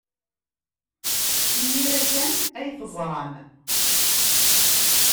Imir-a kan ay t-ẓran.